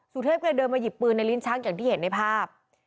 สุเทพก็เลยเดินมาหยิบปืนในลิ้นชักอย่างที่เห็นในภาพ